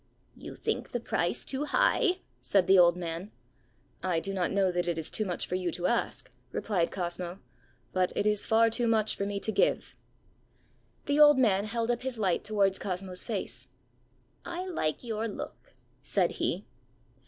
ãYou think the price too high?ã said the old man. ãI do not know that it is too much for you to ask,ã replied Cosmo; ãbut it is far too much for me to give.ã The old man held up his light towards Cosmoãs face. ãI like your look,ã said he.